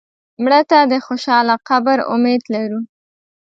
مړه ته د خوشاله قبر امید لرو